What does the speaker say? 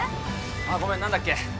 ああごめん何だっけ？